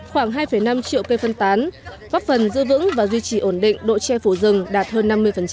khoảng hai năm triệu cây phân tán góp phần giữ vững và duy trì ổn định độ che phủ rừng đạt hơn năm mươi